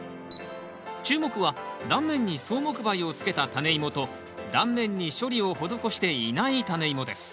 注目は断面に草木灰をつけたタネイモと断面に処理を施していないタネイモです